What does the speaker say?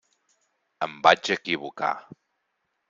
Em vaig equivocar.